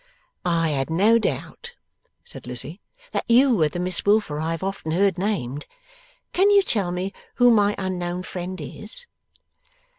'I had no doubt,' said Lizzie, 'that you were the Miss Wilfer I have often heard named. Can you tell me who my unknown friend is?